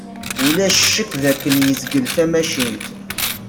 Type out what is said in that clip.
Ulac ccekk d akken yezgel tamacint.